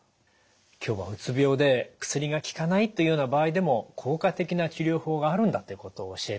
今日はうつ病で薬が効かないというような場合でも効果的な治療法があるんだということを教えていただきました。